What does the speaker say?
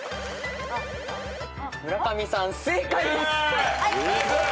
村上さん正解です！